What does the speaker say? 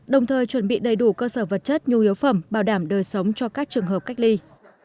đồng thời chuẩn bị đầy đủ cơ sở vật chất nhu yếu phẩm bảo đảm đời sống cho các trường hợp cách ly